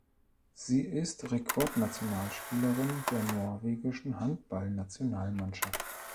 Sie ist Rekordnationalspielerin der norwegischen Handballnationalmannschaft.